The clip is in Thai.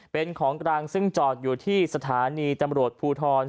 เป็นของกลางซึ่งจอดอยู่ที่สถานีตำรวจภูทร